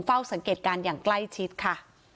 เฝ้าสังเกตการณ์อย่างใกล้ชิดค่ะ